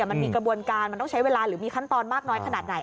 มันมีกระบวนการมันต้องใช้เวลาหรือมีขั้นตอนมากน้อยขนาดไหน